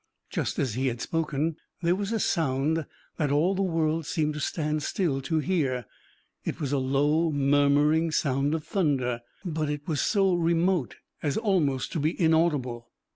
Just as he had spoken, there was a sound that all the world seemed to stand still to hear. It was a low, murmuring sound of thunder; but it was so remote as almost to be inaudible.